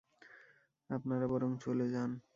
আপনারা বরং চলে যান।